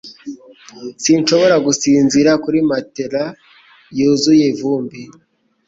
Sinshobora gusinzira kuri matelas yuzuye ivumbi.